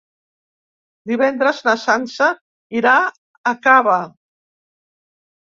Divendres na Sança irà a Cava.